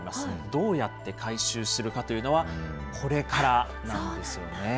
どうやって回収するかというのは、これからなんですよね。